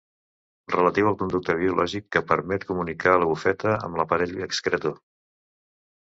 Relatiu al conducte biològic que permet comunicar la bufeta amb l'aparell excretor.